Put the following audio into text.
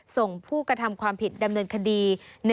ส่งผู้กระทำความผิดดำเนินคดี